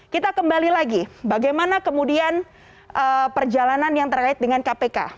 kita kembali lagi bagaimana kemudian perjalanan yang terkait dengan kpk